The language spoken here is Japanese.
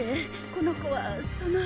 この子はその。